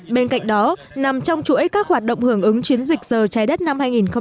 bên cạnh đó nằm trong chuỗi các hoạt động hưởng ứng chiến dịch giờ trái đất năm hai nghìn một mươi chín